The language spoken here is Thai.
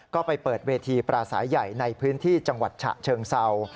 ก็ไปเปิดเวทีปราศัยใหญ่ในพื้นที่จังหวัดฉะเชิงเศร้า